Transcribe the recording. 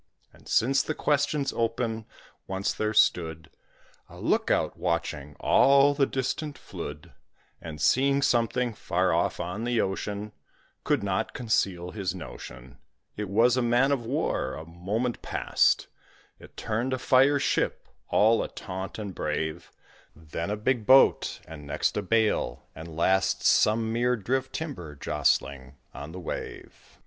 And since the question's open, once there stood A look out watching all the distant flood; And seeing something far off on the ocean, Could not conceal his notion It was a man of war; a moment past It turned a fire ship, all ataunt and brave, Then a big boat, and next a bale, and last Some mere drift timber jostling on the wave.